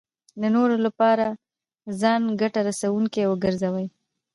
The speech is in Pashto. د نورو لپاره ځان ګټه رسوونکی وګرځوي.